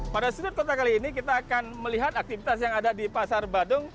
pada sudut kota kali ini kita akan melihat aktivitas yang ada di pasar badung